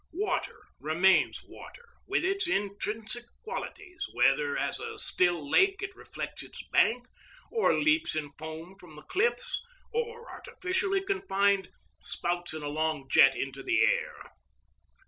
Water remains water with its intrinsic qualities, whether as a still lake it reflects its banks, or leaps in foam from the cliffs, or, artificially confined, spouts in a long jet into the air.